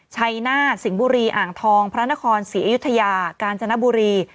ชัยหน้าสิงห์บุรีอ่างทองพระนครศรีอยุธยากาญจนบุรี